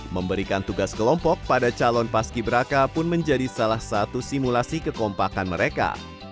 memberikan tugas kelompok pada calon paski beraka pun menjadi salah satu simulasi kekompakan mereka